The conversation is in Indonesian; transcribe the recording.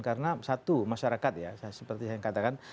karena satu masyarakat ya seperti yang saya katakan